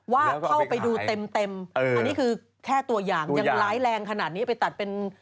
ว่าเข้าไปดูเต็มอันนี้คือแค่ตัวอย่างยังร้ายแรงขนาดนี้ไปตัดเป็น